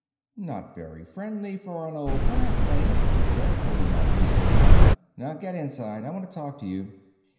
"Not very friendly for an old classmate," he said, holding out Neel's gun. "Now get inside, I want to talk to you."